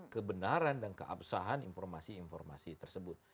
kebenaran dan keabsahan informasi informasi tersebut